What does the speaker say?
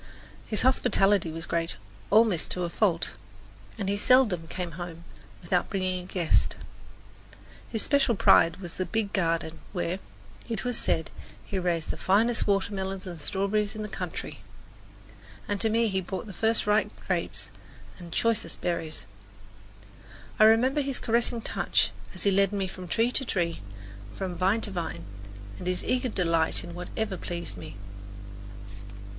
His hospitality was great, almost to a fault, and he seldom came home without bringing a guest. His special pride was the big garden where, it was said, he raised the finest watermelons and strawberries in the county; and to me he brought the first ripe grapes and the choicest berries. I remember his caressing touch as he led me from tree to tree, from vine to vine, and his eager delight in whatever pleased me.